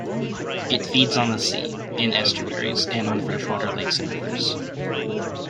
It feeds on the sea, in estuaries, and on freshwater lakes and rivers.